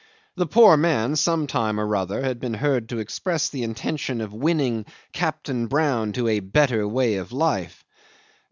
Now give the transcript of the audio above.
The poor man, some time or other, had been heard to express the intention of winning "Captain Brown to a better way of life."